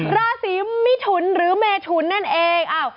ราศีมิถุนหรือเมถุนนั่นเอง